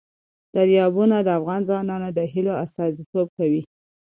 دریابونه د افغان ځوانانو د هیلو استازیتوب کوي.